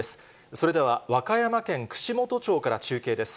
それでは、和歌山県串本町から中継です。